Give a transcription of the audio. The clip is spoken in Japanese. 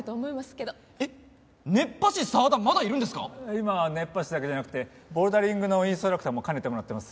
今は熱波師だけじゃなくてボルダリングのインストラクターも兼ねてもらってます。